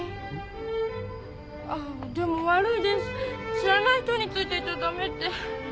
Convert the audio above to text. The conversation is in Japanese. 知らない人についてっちゃダメって。